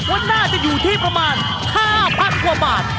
ว่าน่าจะอยู่ที่ประมาณ๕๐๐กว่าบาท